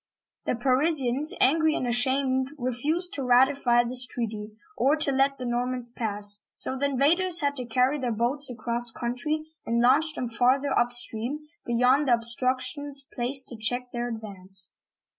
Tfie Parisians, angry and ashamed, refused to ratify this treaty or to let the Normans pass, so the invaders had to carry their boats across country, and launch them farther upstream, beyond the obstructions placed to check their advance.